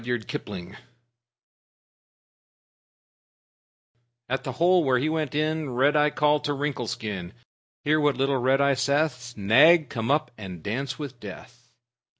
"Rikki Tikki Tavi" At the hole where he went in Red Eye called to Wrinkle Skin. Hear what little Red Eye saith: "Nag, come up and dance with death!"